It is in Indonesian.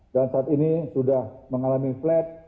dan saat ini sudah mengalami flat